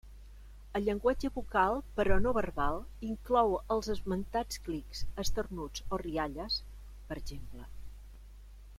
El llenguatge vocal però no verbal inclou els esmentats clics, esternuts o rialles, per exemple.